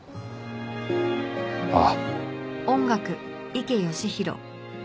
ああ。